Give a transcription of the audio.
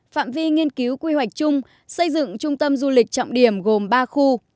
phạm vi nghiên cứu quy hoạch chung xây dựng trung tâm du lịch trọng điểm gồm ba khu